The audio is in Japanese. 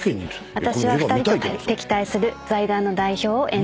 私は２人と敵対する財団の代表を演じています。